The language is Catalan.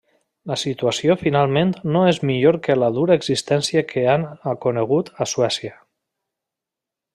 La situació finalment no és millor que la dura existència que han conegut a Suècia.